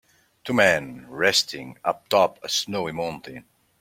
Two men resting uptop a snowy mountain.